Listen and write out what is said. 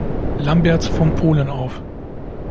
Lambert von Polen auf.